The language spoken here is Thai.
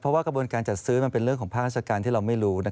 เพราะว่ากระบวนการจัดซื้อมันเป็นเรื่องของภาคราชการที่เราไม่รู้